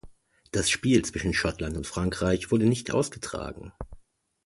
Das Spiel zwischen Schottland und Frankreich wurde nicht ausgetragen.